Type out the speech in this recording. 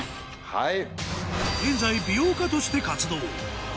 はい。